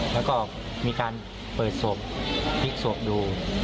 แล้วก็มีการเปิดศพพลิกศพดู